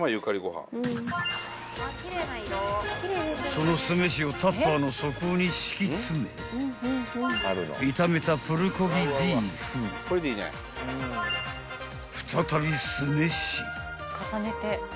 ［その酢飯をタッパーの底に敷き詰め炒めたプルコギビーフ再び酢飯］